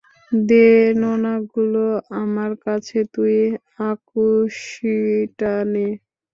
দে নোনাগুলো আমার কাছে, তুই আঁকুশিটা নে।